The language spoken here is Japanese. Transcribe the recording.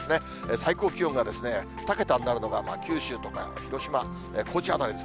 最高気温が２桁になるのが、九州とか広島、高知辺りです。